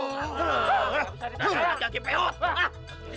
nggak bisa dipercaya